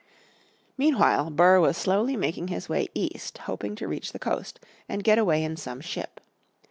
Meanwhile Burr was slowly making his way east hoping to reach the coast, and get away in some ship.